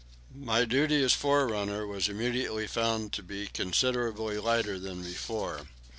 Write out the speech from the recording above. My duty as forerunner was immediately found to be considerably lighter than before.